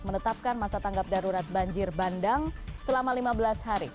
menetapkan masa tanggap darurat banjir bandang selama lima belas hari